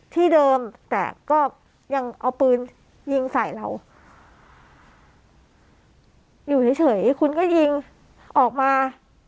ที่เดิมแต่ก็ยังเอาปืนยิงใส่เราอยู่เฉยคุณก็ยิงออกมา